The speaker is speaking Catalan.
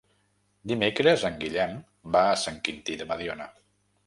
Dimecres en Guillem va a Sant Quintí de Mediona.